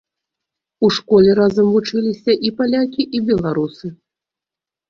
У школе разам вучыліся і палякі, і беларусы.